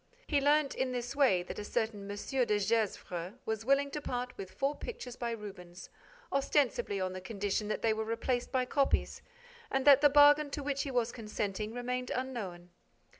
He learnt, in this way, that a certain M. de Gesvres was willing to part with four pictures by Rubens, ostensibly on the condition that they were replaced by copies and that the bargain to which he was consenting remained unknown.